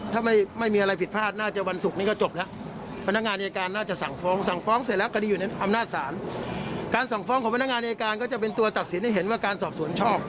ทางฝองของพนักงานอายการก็จะเป็นตัวตัดสินให้เห็นว่าการศพสวนชอบ